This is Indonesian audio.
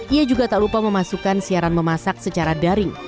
ia juga tak lupa memasukkan siaran memasak secara daring